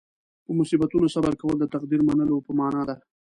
په مصیبتونو صبر کول د تقدیر منلو په معنې ده.